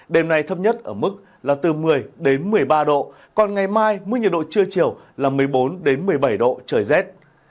đêm nay thấp nhất ở mức là từ một mươi đến một mươi ba độ còn ngày mai mức nhiệt độ trưa chiều là một mươi bốn một mươi bảy độ trời rét